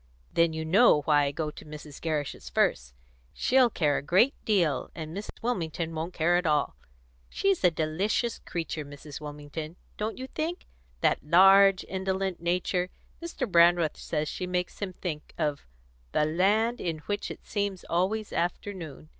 "Then you know why I go to Mrs. Gerrish's first. She'll care a great deal, and Mrs. Wilmington won't care at all. She's a delicious creature, Mrs. Wilmington don't you think? That large, indolent nature; Mr. Brandreth says she makes him think of 'the land in which it seemed always afternoon.'"